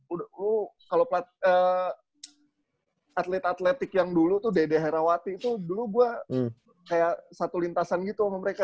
udah lu kalau atlet atletik yang dulu tuh dede herawati itu dulu gue kayak satu lintasan gitu sama mereka